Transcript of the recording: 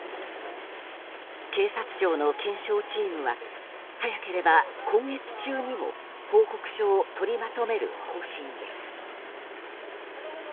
警察庁の検証チームは早ければ今月中にも報告書を取りまとめる方針です。